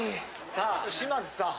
さあ島津さん。